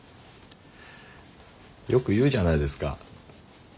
よく言うじゃないですか。